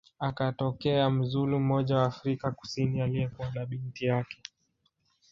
akatokea mzulu mmoja wa Afrika kusini aliyekuwa na binti yake